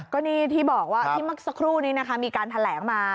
ก็นี่ที่บอกว่าที่เมื่อสักครู่นี้นะคะมีการแถลงมา